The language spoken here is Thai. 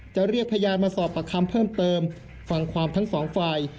เรียกพยานมาสอบประคำเพิ่มเติมฟังความทั้งสองฝ่าย